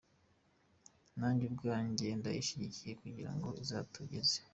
Nanjye ubwanjye ndayishyigikiye kugira ngo izatugeze.